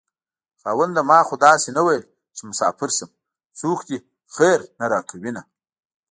خاونده ما خو داسې نه وېل چې مساپر شم څوک دې خير نه راکوينه